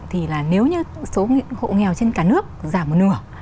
thì là nếu như số hộ nghèo trên cả nước giảm một nửa